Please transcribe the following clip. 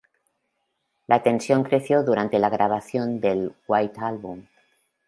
La tensión creció durante la grabación del "White Album".